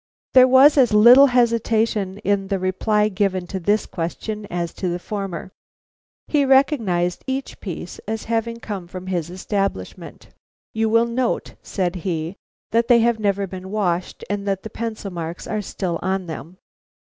There was as little hesitation in the reply given to this question as to the former. He recognized each piece as having come from his establishment. "You will note," said he, "that they have never been washed, and that the pencil marks are still on them."